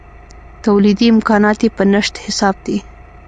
تولیدي امکانات یې په نشت حساب دي.